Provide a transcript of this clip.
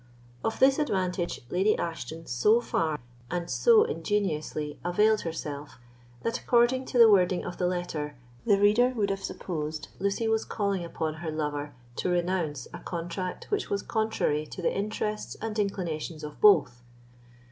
Of this advantage Lady Ashton so far and so ingeniously availed herself that, according to the wording of the letter, the reader would have supposed Lucy was calling upon her lover to renounce a contract which was contrary to the interests and inclinations of both.